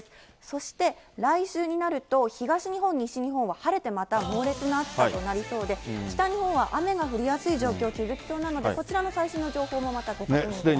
そして、来週になると東日本、西日本は晴れて、また猛烈な暑さとなりそうで、北日本は雨が降りやすい状況、続きそうなので、こちらも最新の情報をまたご確認ください。